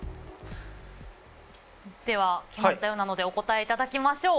では決まったようなのでお答えいただきましょう。